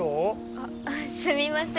あすみません。